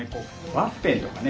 ワッペンとかね